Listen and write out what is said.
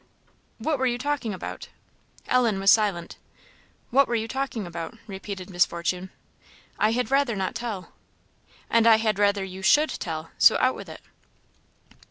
"What were you talking about?" Ellen was silent. "What were you talking about?" repeated Miss Fortune. "I had rather not tell." "And I had rather you should tell so out with it."